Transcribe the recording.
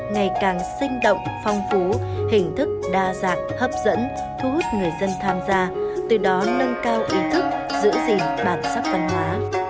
ngày càng sinh động phong phú hình thức đa dạng hấp dẫn thu hút người dân tham gia từ đó nâng cao ý thức giữ gìn bản sắc văn hóa